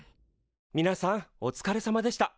みなさんおつかれさまでした。